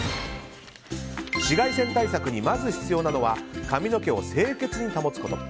紫外線対策にまず必要なのは髪の毛を清潔に保つこと。